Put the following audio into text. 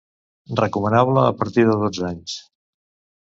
Recomanable a partir de dotze anys.